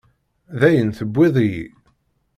Dayen, tewwiḍ-iyi.